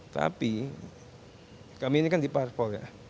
tapi kami ini kan di parpol ya